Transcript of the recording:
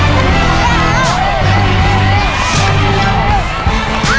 สวัสดีครับ